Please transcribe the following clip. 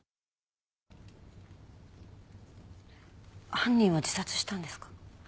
犯人は自殺したんですか？